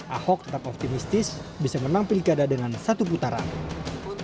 ahok tetap optimistis bisa menang pilkada dengan satu putaran